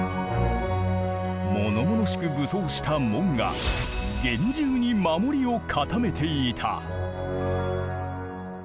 ものものしく武装した門が厳重に守りを固めていた。